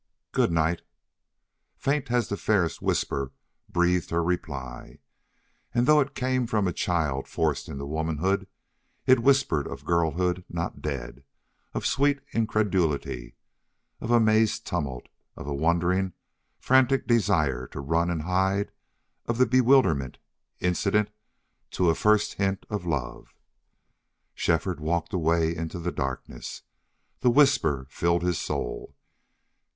"Good night." Faintly as the faintest whisper breathed her reply, and, though it came from a child forced into womanhood, it whispered of girlhood not dead, of sweet incredulity, of amazed tumult, of a wondering, frantic desire to run and hide, of the bewilderment incident to a first hint of love. Shefford walked away into the darkness. The whisper filled his soul.